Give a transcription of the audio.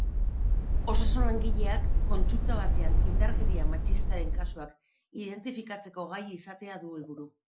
Osasun-langileak kontsulta batean indarkeria matxistaren kasuak identifikatzeko gai izatea du helburu.